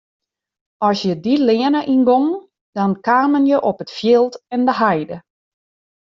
As je dy leane yngongen dan kamen je op it fjild en de heide.